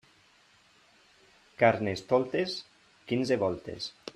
Carnestoltes, quinze voltes.